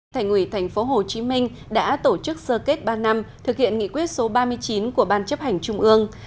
thành ủy tp hcm đã tổ chức sơ kết ba năm thực hiện nghị quyết số ba mươi chín của ban chấp hành trung ương